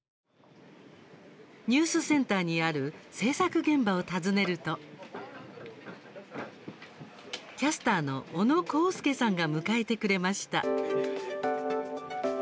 ニュースセンターにある制作現場を訪ねるとキャスターの小野広祐さんが迎えてくれました。